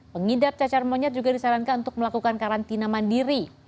pengidap cacar monyet juga disarankan untuk melakukan karantina mandiri